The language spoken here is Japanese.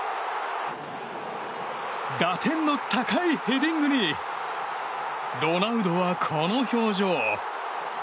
打点の高いヘディングにロナウドはこの表情。